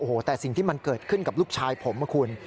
โอ้โหแต่สิ่งที่มันเกิดขึ้นกับลูกชายผมนะคุณ